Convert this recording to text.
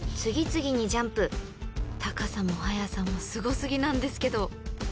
［高さも速さもすご過ぎなんですけど］